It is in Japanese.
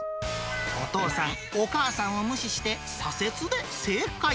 お父さん、お母さんを無視して、左折で正解。